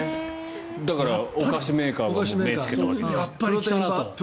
だから、お菓子メーカーも目をつけたわけですね。